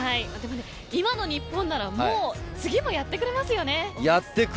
今の日本ならもう次もやってくれますよね。